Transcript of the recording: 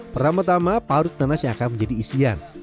pertama tama parut nanas yang akan menjadi isian